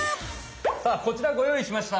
さあこちらごよういしました！